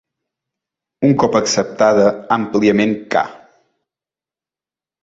Un cop acceptada àmpliament ca.